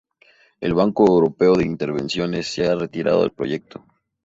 El Banco Europeo de Inversiones se ha retirado del proyecto.